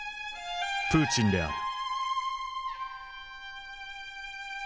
プーチンである。